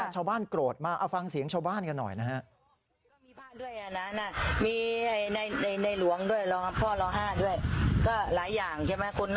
ชาวบ้านโกรธมากเอาฟังเสียงชาวบ้านกันหน่อยนะฮะ